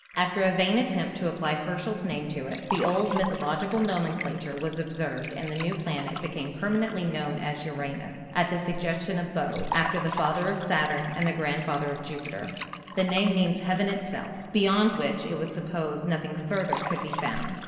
After a vain attempt to apply Herschel's name to it, the old mythological nomenclature was observed and the new planet became permanently known as Uranus, at the sug gestion of Bode, after the father of Saturn and the grand father of Jupiter. The name means Heaven itself, be yond which it was supposed nothing further could be found.